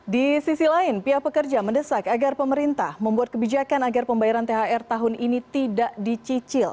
di sisi lain pihak pekerja mendesak agar pemerintah membuat kebijakan agar pembayaran thr tahun ini tidak dicicil